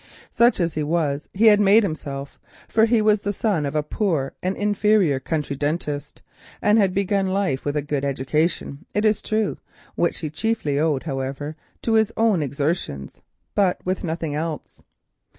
Such as he was he had made himself, for he was the son of a poor and inferior country dentist, and had begun life with a good education, it is true, which he chiefly owed to his own exertions, but with nothing else.